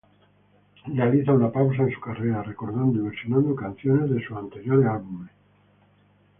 Realiza una pausa en su carrera, recordando y versionando canciones de sus anteriores álbumes.